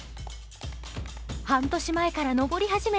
半年前から登り始め